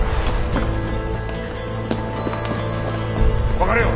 分かれよう！